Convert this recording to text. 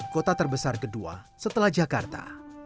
kota terbesar kedua setelah jakarta